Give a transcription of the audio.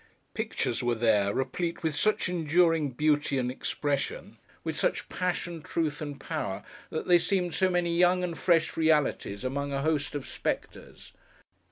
Pictures were there, replete with such enduring beauty and expression: with such passion, truth and power: that they seemed so many young and fresh realities among a host of spectres.